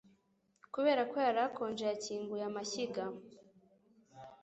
Kubera ko yari akonje yakinguye amashyiga